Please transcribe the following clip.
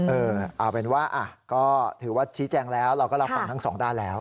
เออเอาเป็นว่าก็ถือว่าชี้แจงแล้วเราก็รับฟังทั้งสองด้านแล้ว